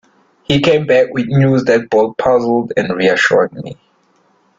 He came back with news that both puzzled and reassured me.